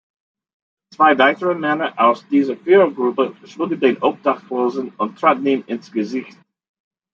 Zwei weitere Männer aus der Vierergruppe schlugen den Obdachlosen und traten ihm ins Gesicht.